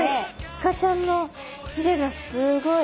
イカちゃんのひれがすごい。